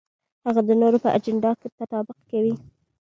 هغه د نورو په اجنډا کې تطابق کوي.